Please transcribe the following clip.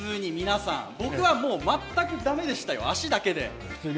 僕は全く駄目でしたよ、足だけで。